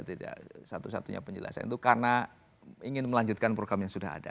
tidak satu satunya penjelasan itu karena ingin melanjutkan program yang sudah ada